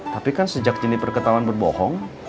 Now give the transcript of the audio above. tapi kan sejak jeniper ketahuan berbohong